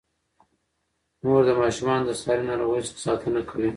مور د ماشومانو د ساري ناروغیو څخه ساتنه کوي.